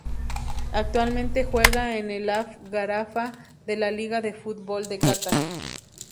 Actualmente juega en el Al-Gharafa de la Liga de fútbol de Catar.